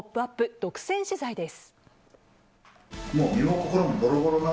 独占取材です。